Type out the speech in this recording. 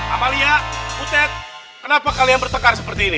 amalia utet kenapa kalian bertekar seperti ini